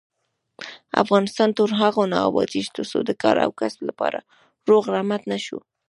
افغانستان تر هغو نه ابادیږي، ترڅو د کار او کسب لپاره روغ رمټ نشو.